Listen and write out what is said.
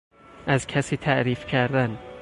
از کسی تعریف کردن